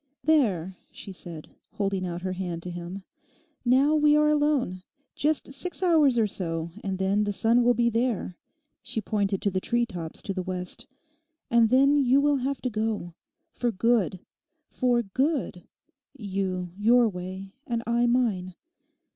'There,' she said, holding out her hand to him, 'now we are alone. Just six hours or so—and then the sun will be there,' she pointed to the tree tops to the west, 'and then you will have to go; for good, for good—you your way, and I mine.